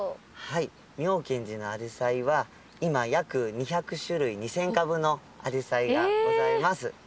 はい妙顕寺のアジサイは今約２００種類２，０００株のアジサイがございます。